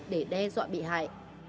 để đe dọa bị hại